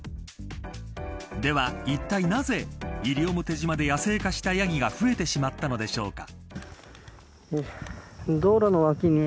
では、いったいなぜ西表島で野生化したヤギが増えてしまったのでしょうか。